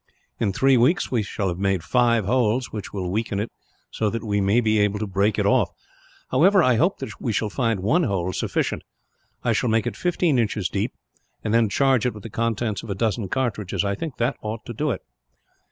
"In three weeks we shall have made five holes, which will weaken it so that we may be able to break it off. However, I hope we shall find one hole sufficient. I shall make it fifteen inches deep, and then charge it with the contents of a dozen cartridges. I think that ought to do it."